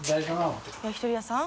やきとり屋さん？